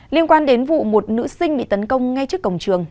liên quan đến vụ một nữ sinh bị tấn công ngay trước cổng trường